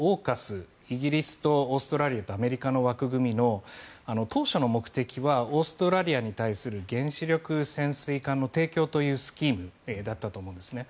イギリスとオーストラリアとアメリカの枠組みの当初の目的はオーストラリアに対する原子力潜水艦の提供というスキームだったと思うんですね。